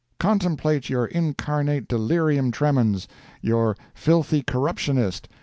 Contemplate your incarnate Delirium Tremens! your Filthy Corruptionist!